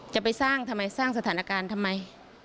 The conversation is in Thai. จะไปสร้างทำไมสร้างสถานการณ์ทำไม